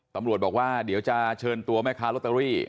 ตำรวจบอกว่าเดี๋ยวจะเชิญตัวแม่ค้าลอตเตอรี่